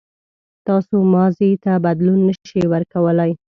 تاسو ماضي ته بدلون نه شئ ورکولای.